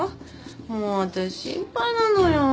もう私心配なのよ。